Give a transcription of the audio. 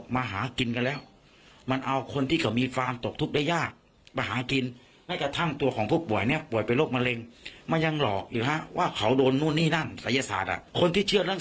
แผนปัจจุบันจะดีกว่านะคะ